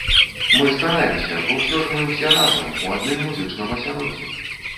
Мы стараемся, бо ўсё ж мы ўсе разам, у адным музычным асяроддзі.